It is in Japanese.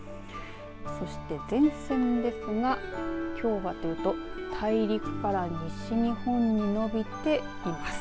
そして前線ですがきょうはというと大陸から西日本に延びています。